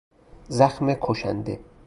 زخم کشنده